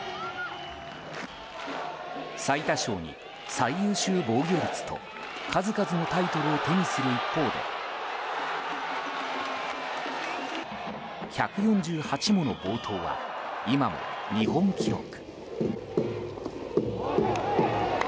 最多勝に最優秀防御率と数々のタイトルを手にする一方で１４８もの暴投は今も日本記録。